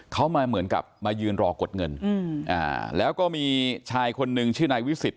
เขามาเหมือนกับมายืนรอกดเงินแล้วก็มีชายคนนึงชื่อนายวิสิต